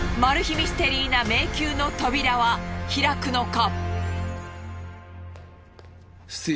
ミステリーな迷宮の扉は開くのか。